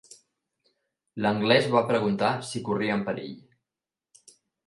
L'anglès va preguntar si corrien perill.